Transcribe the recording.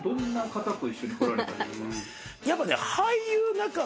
やっぱね。